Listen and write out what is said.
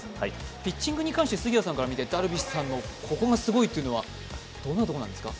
ピッチングに関してはダルビッシュさんのここがすごいというのはどんなところなんですか？